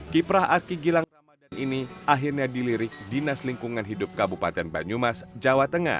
kiprah aki gilang ramadan ini akhirnya dilirik dinas lingkungan hidup kabupaten banyumas jawa tengah